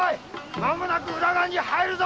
まもなく浦賀に入るぞ！